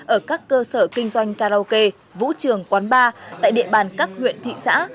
ở các cơ sở kinh doanh karaoke vũ trường quán bar tại địa bàn các huyện thị xã